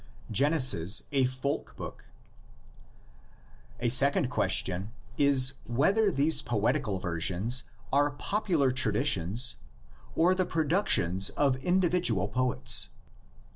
GENESIS A FOLK BOOK. A second question is, whether these poetic ver sions are popular traditions or the productions of individual poets.